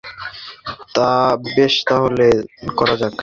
বেশ তাহলে, করা যাক।